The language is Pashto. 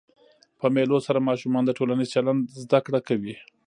په مېلو سره ماشومان د ټولنیز چلند زده کړه کوي.